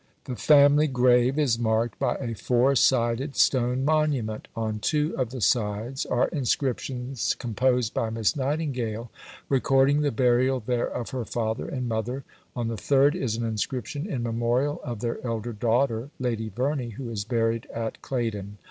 The family grave is marked by a four sided stone monument. On two of the sides are inscriptions, composed by Miss Nightingale, recording the burial there of her father and mother; on the third, is an inscription in memorial of their elder daughter, Lady Verney, who is buried at Claydon.